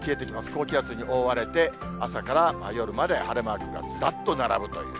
高気圧に覆われて、朝から夜まで晴れマークがずらっと並ぶという。